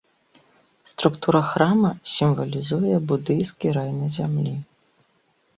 Структура храма сімвалізуе будыйскі рай на зямлі.